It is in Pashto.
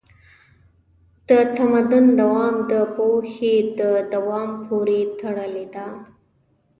د تمدن دوام د پوهې دوام پورې تړلی دی.